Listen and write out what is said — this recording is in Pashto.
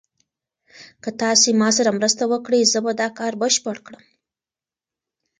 که تاسي ما سره مرسته وکړئ زه به دا کار بشپړ کړم.